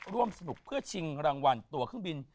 ร่วมสนุกเพื่อชิงรางวัลตัวเครื่องบิน